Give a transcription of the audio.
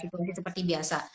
untuk situasi seperti biasa